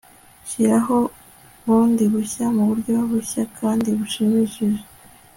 Shiraho bundi bushya muburyo bushya kandi bushimishije